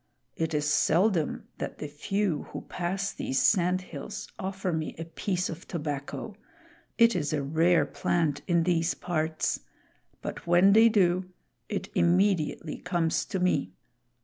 It is seldom that the few who pass these sand hills offer me a piece of tobacco it is a rare plant in these parts but when they do, it immediately comes to me.